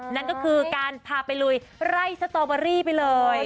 นั่นก็คือการพาไปลุยไร่สตอเบอรี่ไปเลย